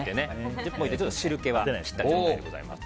１０分置いて汁気を切った状態です。